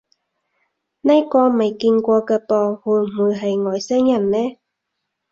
呢個未見過嘅噃，會唔會係外星人呢？